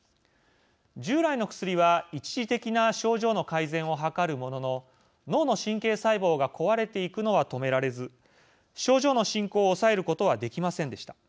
従来の薬は一時的な症状の改善を図るものの脳の神経細胞が壊れていくのは止められず症状の進行を抑えることはできませんでした。